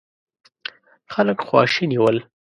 خلک خواشيني ول.